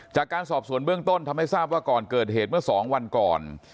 จากการสอบสวนเบื้องต้นทำให้ทราบว่าก่อนเกิดเหตุเมื่อ๒วันก่อน